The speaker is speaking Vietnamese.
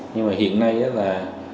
nhưng mà hiện nay là